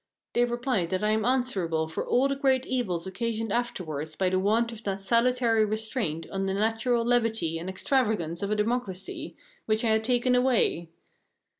They reply that I am answerable for all the great evils occasioned afterwards by the want of that salutary restraint on the natural levity and extravagance of a democracy, which I had taken away.